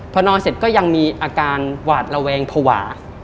พอนอนเสร็จก็ยังมีอาการหวาดระแวงภาวะ